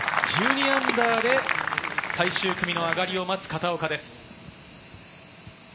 １２で最終組の上がりを待つ片岡です。